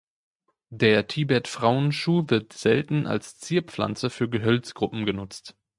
Der Tibet-Frauenschuh wird selten als Zierpflanze für Gehölzgruppen genutzt.